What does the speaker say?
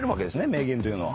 名言というのは。